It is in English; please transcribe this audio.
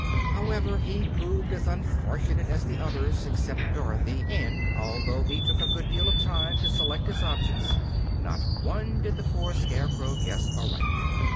However, he proved as unfortunate as the others except Dorothy, and although he took a good deal of time to select his objects, not one did the poor Scarecrow guess aright.